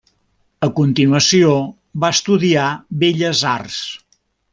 A continuació va estudiar Belles Arts.